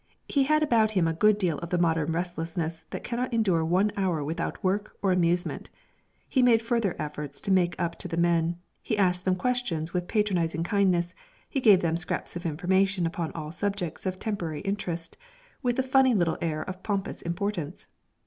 He had about him a good deal of the modern restlessness that cannot endure one hour without work or amusement. He made further efforts to make up to the men; he asked them questions with patronising kindness, he gave them scraps of information upon all subjects of temporary interest, with a funny little air of pompous importance.